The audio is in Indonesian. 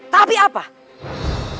kami akan melakukannya